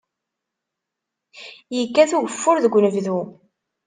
Yekkat ugeffur deg unebdu.